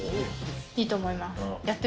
いいと思います。